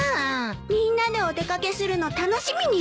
みんなでお出掛けするの楽しみにしてたのに。